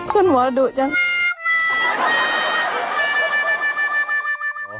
คุณหมอดูดจ้ะ